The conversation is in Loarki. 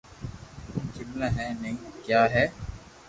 جملا بو ٺئي گيا ھي